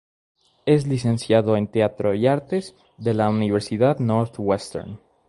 Es licenciado en Teatro y Artes de la Universidad Northwestern.